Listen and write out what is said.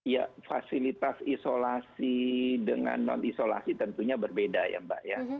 ya fasilitas isolasi dengan non isolasi tentunya berbeda ya mbak ya